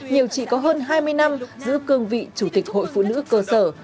nhiều chị có hơn hai mươi năm giữ cương vị chủ tịch hội phụ nữ cơ sở